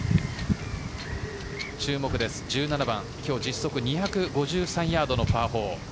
注目です、１７番今日、実測２５３ヤードのパー４。